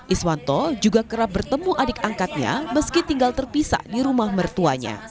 iswanto juga kerap bertemu adik angkatnya meski tinggal terpisah di rumah mertuanya